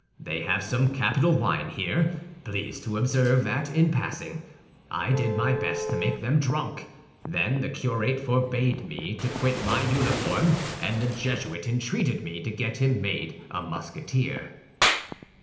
"They have some capital wine here—please to observe that in passing. I did my best to make them drunk. Then the curate forbade me to quit my uniform, and the Jesuit entreated me to get him made a Musketeer."